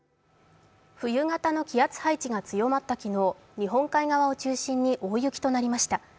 冬型の気圧配置が強まった昨日、日本海側を中心に大雪となりました。